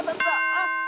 あっ！